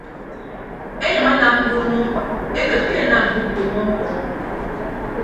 Enyʌñ enam nduuñọ ekịt ke enam mme ukpuuñọ ñkpọ.